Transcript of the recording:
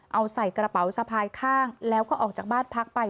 เอาใส่กระเป๋าสะพายข้างแล้วก็ออกจากบ้านพักไป